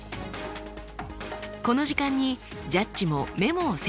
この時間にジャッジもメモを整理します。